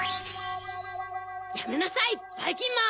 やめなさいばいきんまん！